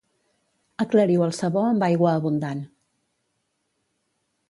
Aclariu el sabó amb aigua abundant.